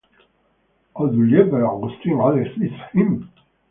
O du lieber Augustin, alles ist hin.